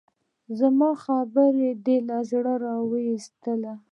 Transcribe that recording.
زما خبره دې له زړه اوېستله؟